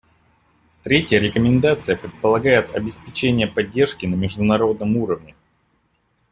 Третья рекомендация предполагает обеспечение поддержки на международном уровне.